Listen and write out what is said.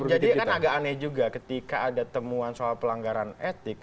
jadi kan agak aneh juga ketika ada temuan soal pelanggaran etik